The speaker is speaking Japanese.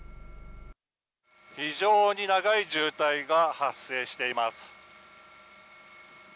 非常に長い渋滞が発生しています。